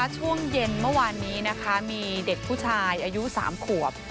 ช่วงเย็นเมื่อวานนี้นะคะมีเด็กผู้ชายอายุ๓ขวบ